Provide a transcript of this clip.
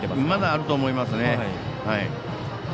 まだあると思います。